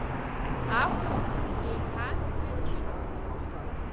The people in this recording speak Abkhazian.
Ахәылԥаз еиҳа ҭынчрахеит.